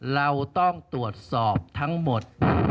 เราต้องตรวจสอบทั้งหมด